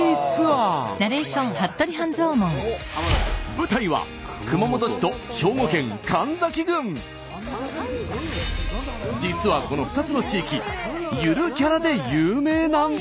舞台は実はこの２つの地域ゆるキャラで有名なんです。